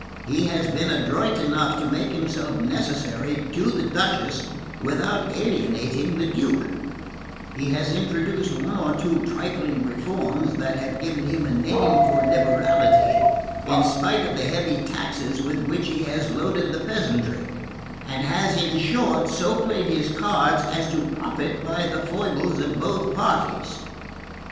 He has been adroit enough to make himself necessary to the Duchess without alienating the Duke; he has introduced one or two trifling reforms that have given him a name for liberality in spite of the heavy taxes with which he has loaded the peasantry; and has in short so played his cards as to profit by the foibles of both parties.